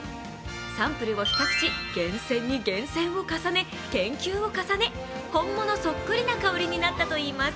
サンプルを比較し、厳選に厳選を重ね研究を重ね、本物そっくりな香りになったといいます。